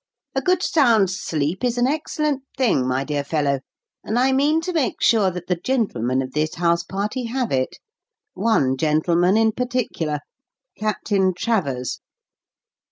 "A good sound sleep is an excellent thing, my dear fellow, and I mean to make sure that the gentlemen of this house party have it one gentleman in particular: Captain Travers."